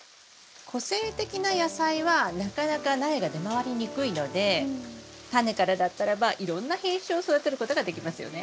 個性的な野菜はなかなか苗が出回りにくいのでタネからだったらばいろんな品種を育てることができますよね。